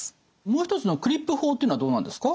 もう一つのクリップ法というのはどうなんですか？